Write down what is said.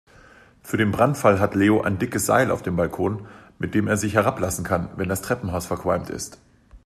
Für den Brandfall hat Leo ein dickes Seil auf dem Balkon, mit dem er sich herablassen kann, wenn das Treppenhaus verqualmt ist.